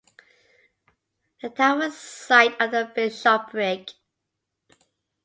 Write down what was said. The town was site of a bishopric.